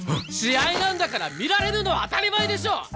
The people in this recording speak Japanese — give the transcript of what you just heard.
試合なんだから見られるのは当たり前でしょ！